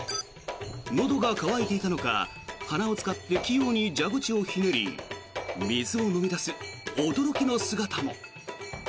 のどが渇いていたのか鼻を使って器用に蛇口をひねり水を飲み出す驚きの姿も。